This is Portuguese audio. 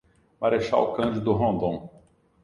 Marechal Cândido Rondon